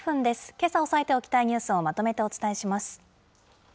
けさ押さえておきたいニュースをまとめてお伝えします。